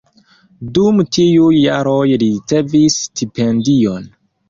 Dum tiuj jaroj li ricevis stipendion.